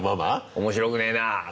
面白くねえなって。